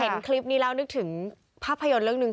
เห็นคลิปนี้แล้วนึกถึงภาพยนตร์เรื่องหนึ่ง